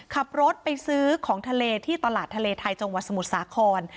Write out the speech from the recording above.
ขับรถไปซื้อของทะเลที่ตลาดทะเลไทยจังหวัดสมุทรสาคร